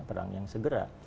perang yang segera